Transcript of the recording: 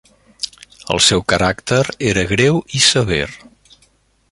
El seu caràcter era greu i sever.